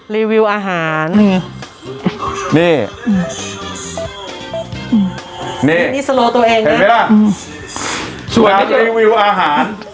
รีวิวอาหารนี่นี่นี่นี่แสโลตัวเองนะเห็นไหมล่ะจูยารีวิวอาหาร